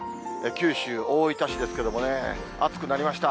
九州・大分市ですけれどもね、暑くなりました。